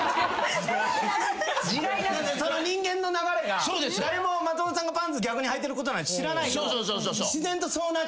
その人間の流れが誰も松本さんがパンツ逆にはいてることなんて知らないけど自然とそうなっちゃう。